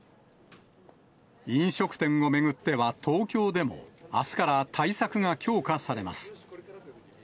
飲食店を巡っては、東京でも、あすから対策が強化されます。